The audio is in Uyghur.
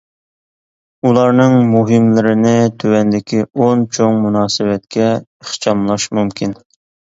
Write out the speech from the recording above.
ئۇلارنىڭ مۇھىملىرىنى تۆۋەندىكى ئون چوڭ مۇناسىۋەتكە ئىخچاملاش مۇمكىن.